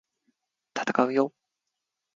闘うよ！！